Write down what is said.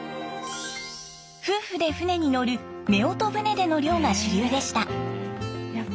夫婦で船に乗る夫婦船での漁が主流でした。